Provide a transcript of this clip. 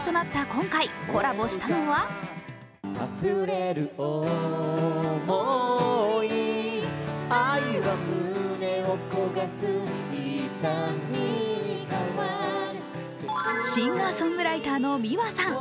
今回コラボしたのはシンガーソングライターのｍｉｗａさん。